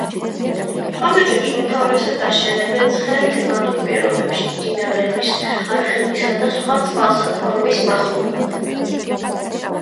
კამეჩებს უმთავრესად აშენებენ ცხელ კლიმატურ პირობებში, მდინარეების, არხებისა და სხვა წყალსატევების მახლობლად.